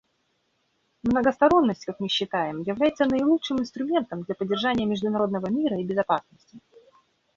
Многосторонность, как мы считаем, является наилучшим инструментом для поддержания международного мира и безопасности.